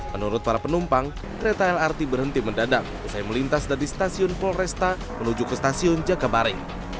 menurut para penumpang kereta lrt berhenti mendadak usai melintas dari stasiun polresta menuju ke stasiun jakabaring